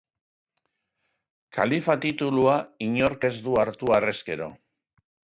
Kalifa titulua inork ez du hartu harrezkero.